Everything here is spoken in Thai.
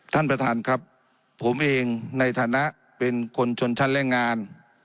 ท่านประธานครับผมเองในฐานะเป็นคนชนชั้นและงาน